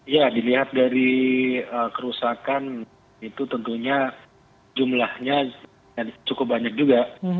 ya dilihat dari kerusakan itu tentunya jumlahnya cukup banyak juga